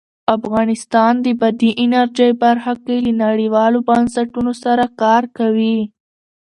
افغانستان د بادي انرژي برخه کې له نړیوالو بنسټونو سره کار کوي.